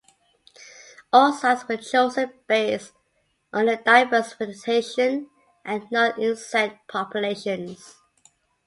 All sites were chosen based on their diverse vegetation and known insect populations.